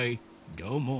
どうも。